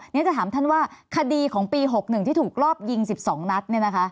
นี่จะถามท่านว่าคดีของปี๖๑ที่ถูกรอบยิง๑๒นัด